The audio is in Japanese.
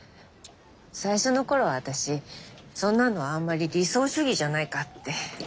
最初のころは私そんなのあんまり理想主義じゃないかって。